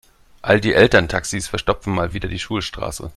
All die Elterntaxis verstopfen mal wieder die Schulstraße.